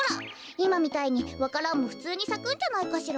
いまみたいにわか蘭もふつうにさくんじゃないかしら。